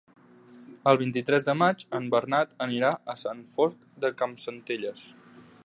El vint-i-tres de maig en Bernat anirà a Sant Fost de Campsentelles.